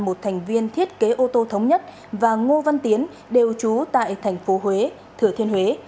một thành viên thiết kế ô tô thống nhất và ngô văn tiến đều trú tại thành phố huế thừa thiên huế